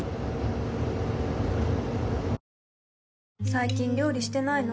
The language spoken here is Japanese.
最近料理してないの？